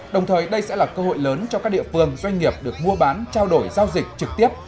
đồng thời đây sẽ là cơ hội lớn cho các địa phương doanh nghiệp được mua bán trao đổi giao dịch trực tiếp